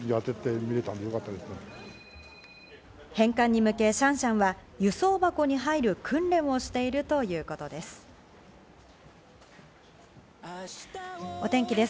返還に向けシャンシャンは輸送箱に入る訓練をしているということです。